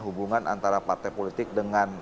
hubungan antara partai politik dengan